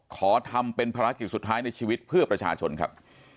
ขอทำเป็นภารกิจสุดท้ายในชีวิตเพื่อประชาชนครับ